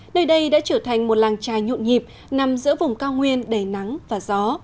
nơi đây đã trở thành một làng trài nhộn nhịp nằm giữa vùng cao nguyên đầy nắng và gió